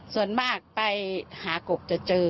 ส่วนมากไปหากบจะเจอ